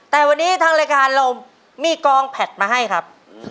แต่วันนี้ทางรายการเรามีกองแพทมาให้ครับ